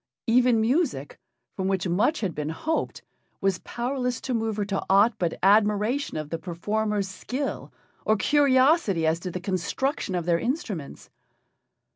Even music, from which much had been hoped, was powerless to move her to aught but admiration of the performers' skill or curiosity as to the construction of their instruments.